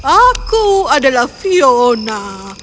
aku adalah fiona